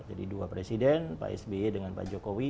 jadi dua presiden pak sby dengan pak jokowi